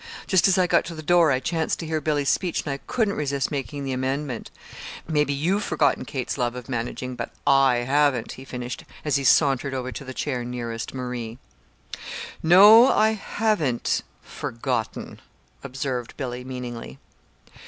Just as I got to the door I chanced to hear Billy's speech, and I couldn't resist making the amendment. Maybe you've forgotten Kate's love of managing but I haven't," he finished, as he sauntered over to the chair nearest Marie. "No, I haven't forgotten," observed Billy, meaningly.